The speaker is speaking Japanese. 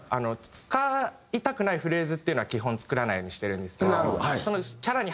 使いたくないフレーズっていうのは基本作らないようにしてるんですけど。